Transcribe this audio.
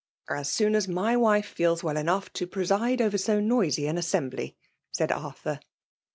'' As soon as my wife feels well enough to preside over so noisy an assembly^" said Ar thur.